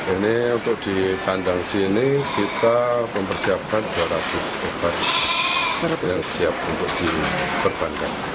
ini untuk ditandang sini kita mempersiapkan dua ratus ekor yang siap untuk diperbankan